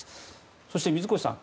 そして、水越さん